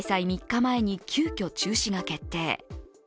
３日前に急きょ中止が決定。